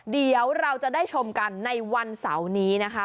เดี๋ยวเราจะได้ชมกันในวันเสาร์นี้นะคะ